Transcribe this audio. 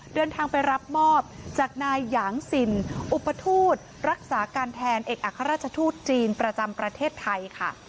เดินทางไปรับมอบจากนายหยางสินอุปทูตรักษาการแทนเอกอัครราชทูตจีนประจำประเทศไทยค่ะ